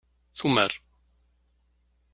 Tumar.